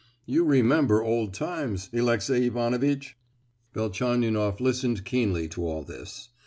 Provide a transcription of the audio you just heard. You remember old times, Alexey Ivanovitch!" Velchaninoff listened keenly to all this.